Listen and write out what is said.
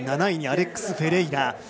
７位にアレックス・フェレイラ